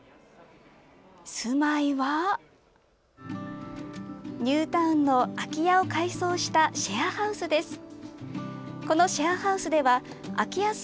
住まいはニュータウンの空き家を改装したシェアハウスです。